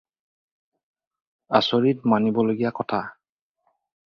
আচৰিত মানিবলগীয়া কথা।